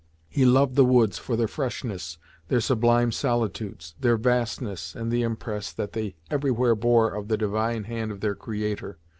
He loved the woods for their freshness, their sublime solitudes, their vastness, and the impress that they everywhere bore of the divine hand of their creator.